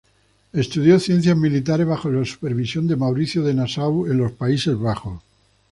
Estudió ciencias militares bajo la supervisión de Mauricio de Nassau en los Países Bajos.